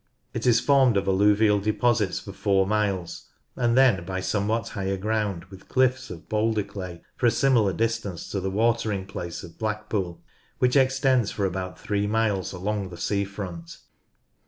It is formed of alluvial deposits for four miles and then by somewhat higher ground with cliffs ot boulder clay for a similar distance to the watering place of Blackpool, which extends for about three miles along the sea front.